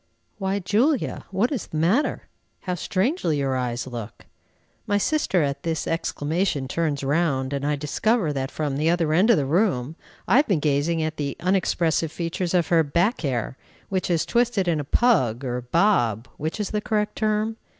"Why, Julia! what is the matter? How strangely your eyes look!" My sister at this exclamation turns round, and I discover that from the other end of the room I have been gazing at the unexpressive features of her "back hair," which is twisted in a "pug," or "bob," which is the correct term?